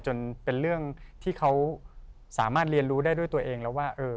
จนเป็นเรื่องที่เขาสามารถเรียนรู้ได้ด้วยตัวเองแล้วว่า